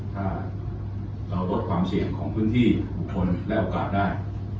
ถ้าเราลดความเสี่ยงของพื้นที่บุคคลและโอกาสได้